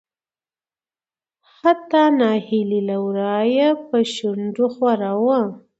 حتا نهيلي له ورايه په شنډو خوره وه .